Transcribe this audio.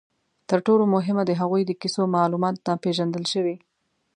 تر ټولو مهمه، د هغوی د کیسو معلومات ناپېژندل شوي.